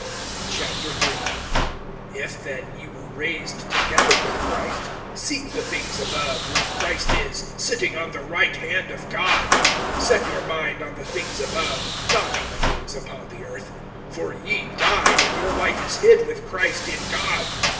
III. IF then ye were raised together with Christ, seek the things above, where Christ is, sitting on the right hand of God. (2)Set your mind on the things above, not on the things upon the earth. (3)For ye died, and your life is hid with Christ in God.